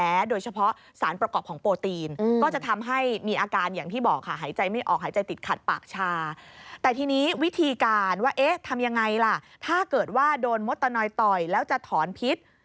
เอ๊ะทำยังไงล่ะถ้าเกิดว่าโดนมดตัวหน่อยต่อยแล้วจะถอนพิษ